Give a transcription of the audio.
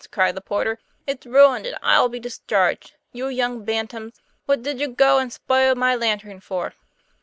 cried the porter, "it's ruined, and I'll be discharged. You young bantams, what did you go and spile my lantern for?"